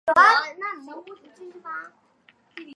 谢冠生人。